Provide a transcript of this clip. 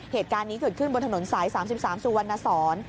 เหตุการณ์นี้เกิดขึ้นบนถนนสาย๓๓สุวรรณสอน